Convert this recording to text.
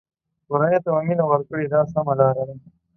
کورنۍ ته مو مینه ورکړئ دا سمه لاره ده.